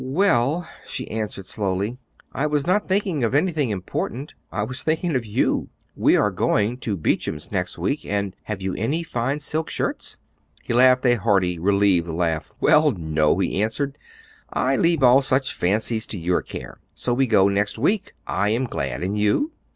"Well," she answered slowly, "I was not thinking of anything important; I was thinking of you. We are going to Beacham's next week and have you any fine silk shirts?" He laughed a hearty, relieved laugh. "Well, no," he answered; "I leave all such fancies to your care. So we go next week. I am glad; and you?"